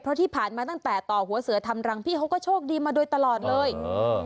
เพราะที่ผ่านมาตั้งแต่ต่อหัวเสือทำรังพี่เขาก็โชคดีมาโดยตลอดเลยเออ